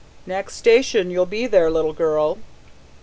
"Next station you'll be there, little girl."